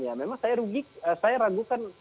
ya memang saya ragukan